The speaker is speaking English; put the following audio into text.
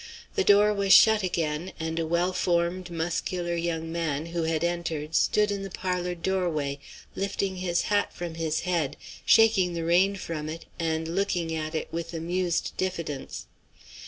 The door was shut again, and a well formed, muscular young man who had entered stood in the parlor doorway lifting his hat from his head, shaking the rain from it, and looking at it with amused diffidence.